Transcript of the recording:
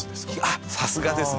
あっさすがですね。